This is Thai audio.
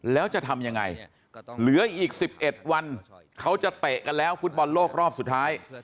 แล้วจะทำยังไงเหลืออีก๑๑วันเขาจะเตะกันแล้วฟุตบอลโลกรอบสุดท้าย